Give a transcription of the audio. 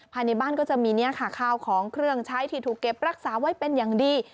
ภายในบ้านก็จะมีเนี่ยค่ะข้าวของเครื่องใช้ที่ถูกเก็บรักษาไว้เป็นอย่างดี